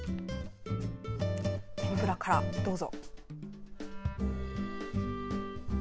天ぷらからどうぞ。